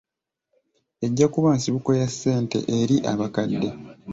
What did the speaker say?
Ejja kuba nsibuko ya ssente eri abakadde.